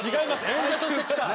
演者として来た。